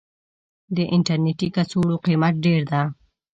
د انټرنيټي کڅوړو قيمت ډير ده.